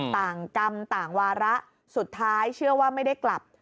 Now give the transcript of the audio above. กรรมต่างวาระสุดท้ายเชื่อว่าไม่ได้กลับ